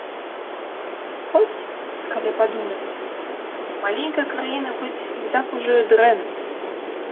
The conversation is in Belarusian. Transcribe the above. Хоць, калі падумаць, маленькай краінай быць не так ужо і дрэнна.